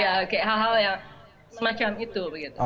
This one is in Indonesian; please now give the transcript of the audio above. ya kayak hal hal yang semacam itu